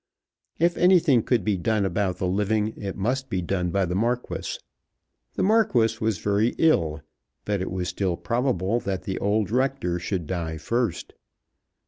If anything could be done about the living it must be done by the Marquis. The Marquis was very ill; but it was still probable that the old rector should die first.